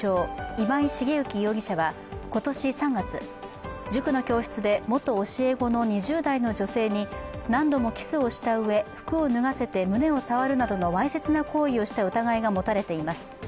今井茂幸容疑者は今年３月、塾の教室で元教え子の２０代の女性に服を脱がせて胸を触るなどのわいせつな行為をした疑いが持たれています。